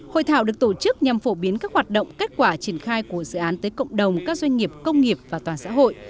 hội thảo được tổ chức nhằm phổ biến các hoạt động kết quả triển khai của dự án tới cộng đồng các doanh nghiệp công nghiệp và toàn xã hội